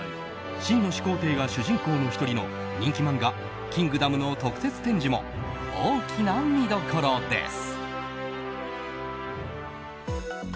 秦の始皇帝が主人公の１人の人気漫画「キングダム」の特設展示も大きな見所です。